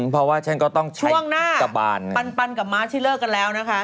เพราะว่าฉันก็ต้องใช้กระบานช่วงหน้าปันกับม้าที่เลิกกันแล้วนะคะ